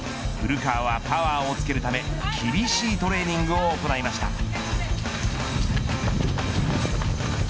古川は、パワーをつけるため厳しいトレーニングを行いました。